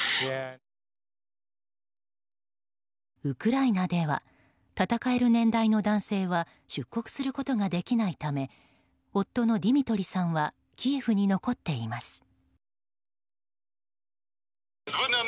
ウクライナでは戦える年代の男性は出国することができないため夫のディミトリさんはキエフに残っています。